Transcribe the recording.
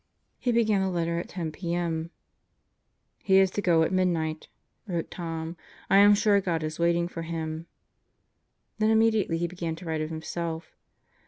He began the letter at 10 p.m. "He is to go at midnight," wrote Tom. "I am sure God is waiting for him." Then immediately he began to write of himself.